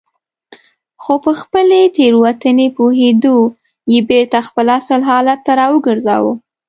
خو په خپلې تېروتنې پوهېدو یې بېرته خپل اصلي حالت ته راوګرځاوه.